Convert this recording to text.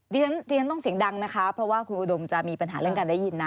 ดิฉันต้องเสียงดังนะคะเพราะว่าคุณอุดมจะมีปัญหาเรื่องการได้ยินนะ